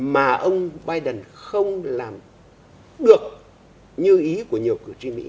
mà ông biden không làm được như ý của nhiều cử tri mỹ